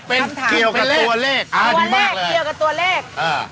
เป็นเกี่ยวกับตัวเลขดีมากเลยนะครับคำถามเป็นเกี่ยวกับตัวเลข